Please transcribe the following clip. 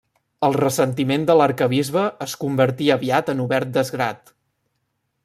El ressentiment de l'arquebisbe es convertí aviat en obert desgrat.